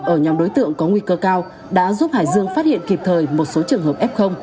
ở nhóm đối tượng có nguy cơ cao đã giúp hải dương phát hiện kịp thời một số trường hợp f